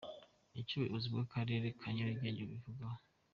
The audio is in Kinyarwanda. Icyo ubuyobozi bw’Akarere ka Nyarugenge bubivugaho.